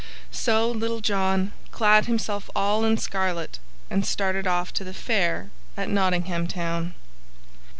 So Little John clad himself all in scarlet and started off to the Fair at Nottingham Town.